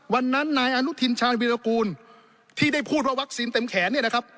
วันนั้นนายอนุทินชาญวิทยากูลที่ได้พูดว่าวัคซีนเต็มแขน